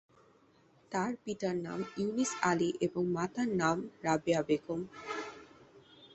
তার পিতার নাম ইউনুস আলী এবং মাতার নাম রাবেয়া বেগম।